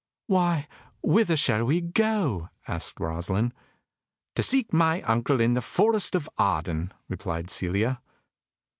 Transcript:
"Why, whither, shall we go?" asked Rosalind. "To seek my uncle in the Forest of Arden," replied Celia.